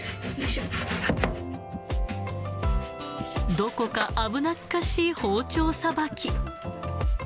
どこか危なっかしい包丁さばき。